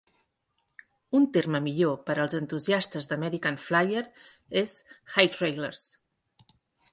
Un terme millor per als entusiastes d'American Flyer és "Highrailers".